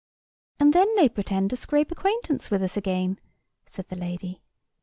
"And then they pretend to scrape acquaintance with us again," said the lady.